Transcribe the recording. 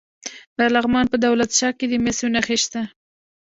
د لغمان په دولت شاه کې د مسو نښې شته.